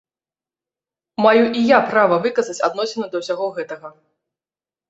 Маю і я права выказаць адносіны да ўсяго гэтага.